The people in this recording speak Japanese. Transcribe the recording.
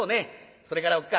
「それからおっ母ぁ」。